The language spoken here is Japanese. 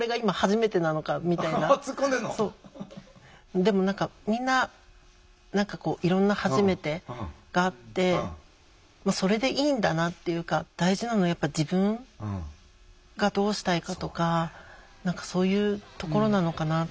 でも何かみんな何かこういろんな「はじめて」があってそれでいいんだなっていうか大事なのはやっぱ自分がどうしたいかとかそういうところなのかな。